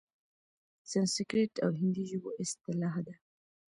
سنسکریت او هندي ژبو اصطلاح ده؛